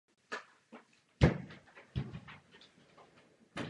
V Liptovské kotlině se několikrát větví a protéká bažinatých územím.